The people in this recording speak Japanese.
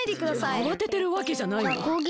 あわててるわけじゃないんだが。